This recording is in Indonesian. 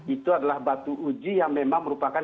itu adalah batu uji yang memang merupakan